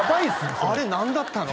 それあれ何だったの？